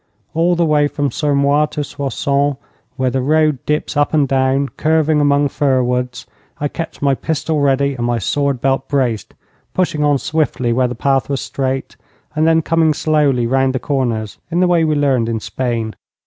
All the way from Sermoise to Soissons, where the road dips up and down, curving among fir woods, I kept my pistol ready and my sword belt braced, pushing on swiftly where the path was straight, and then coming slowly round the corners in the way we learned in Spain.